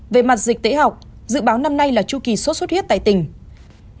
về mặt dịch tễ học dự báo năm nay là tru kỳ sốt huyết tại tỉnh